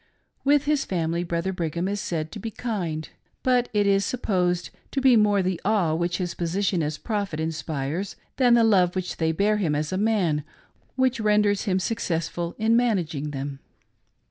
With his family Brother Brigham is said to be kind ; but it is siipposed to be more the awe which his position as Prophet inspires, than the love which they bear him as a man which renders him successful in managing them.